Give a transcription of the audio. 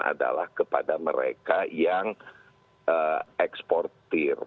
adalah kepada mereka yang eksportir